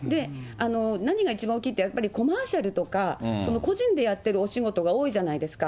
何が一番大きいって、やっぱりコマーシャルとか、個人でやってるお仕事が多いじゃないですか。